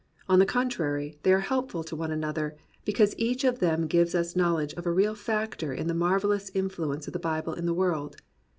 On the contrary, they are helpful to one another, because each of them gives us knowledge of a real factor in the marvellous in fluence of the Bible in the world.